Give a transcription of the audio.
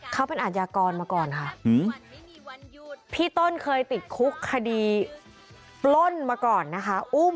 เขาเป็นอาทยากรมาก่อนค่ะพี่ต้นเคยติดคุกคดีปล้นมาก่อนนะคะอุ้ม